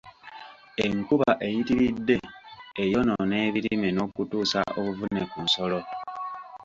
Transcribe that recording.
Enkuba eyitiridde eyonoona ebirime n'okutuusa obuvune ku nsolo